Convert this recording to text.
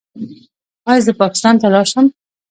ایا زه پاکستان ته لاړ شم؟